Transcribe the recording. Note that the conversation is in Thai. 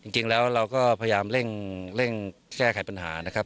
จริงแล้วเราก็พยายามเร่งแก้ไขปัญหานะครับ